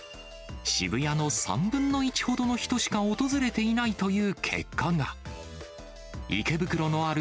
渋谷の３分の１ほどの人しか訪れていないという結果が。